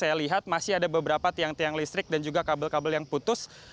saya lihat masih ada beberapa tiang tiang listrik dan juga kabel kabel yang putus